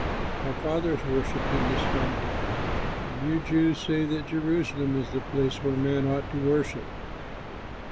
Our fathers worshipped in this mountain; and you Jews say that Jerusalem is the place where men ought to worship."